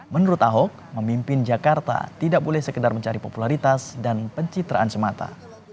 menurut ahok memimpin jakarta tidak boleh sekedar mencari popularitas dan pencitraan semata